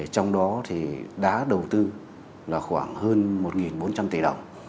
trong đó thì đã đầu tư là khoảng hơn một bốn trăm linh tỷ đồng